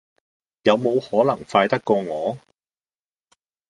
你冇可能快得過我